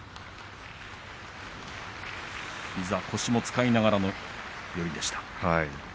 膝、腰も使いながらの寄りでした。